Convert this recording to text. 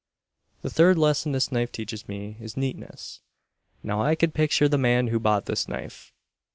The third lesson this knife teaches me is Neatness. Now I can picture the man who bought this knife.